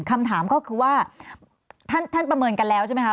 คำถามก็คือว่าท่านประเมินกันแล้วใช่ไหมคะ